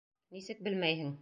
Нисек белмәйһең?